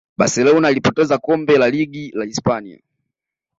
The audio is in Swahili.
barcelona ilipoteza kombe la ligi ya hispania